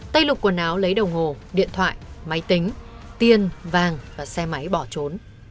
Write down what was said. tây lục quần áo lấy đồng hồ điện thoại máy tính tiên vàng và xe máy bỏ trốn